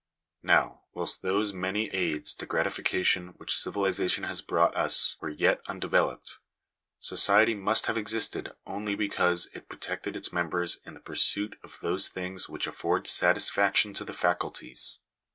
Now, whilst those many aids to gratification which civilization has brought us were yet undeveloped, society must have existed only because k protected its member/ in the pursuit of those things which afford satisfaction to the faculties.